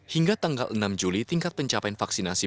hingga tanggal enam juli tingkat pencapaian vaksinasi